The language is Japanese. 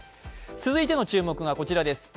続いての注目はこちらです。